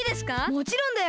もちろんだよ。